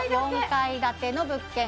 ４階建ての物件